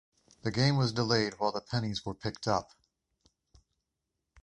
The game was delayed while the pennies were picked up.